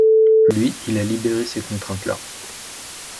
lui il a libéré ces contraintes là.